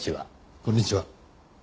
こんにちは。